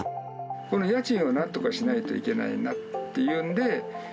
この家賃をなんとかしないといけないなっていうんで。